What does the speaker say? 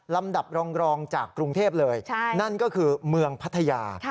ลำดับรองจากกรุงเทพเลยนั่นก็คือเมืองพัทยา